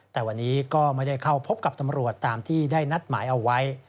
แต่วันนี้ก็ไม่ได้เข้าพบกับตำรวจตามที่ได้นัดหมายเอาไว้